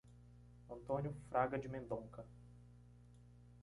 Antônio Fraga de Mendonca